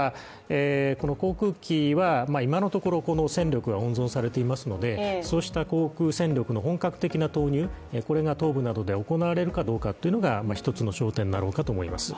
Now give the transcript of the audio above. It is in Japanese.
航空機は今のところ、戦力が温存されていますので、そうした航空戦力の本格的な投入が東部などで行われるかどうかが一つの焦点になろうかと思います。